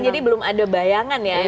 belum ada bayangan ya